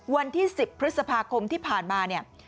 วันที่๑๐พฤษภาคมที่ผ่านมาเนี่ย